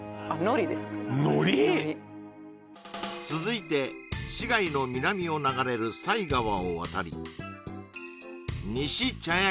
海苔続いて市街の南を流れる犀川を渡りにし茶屋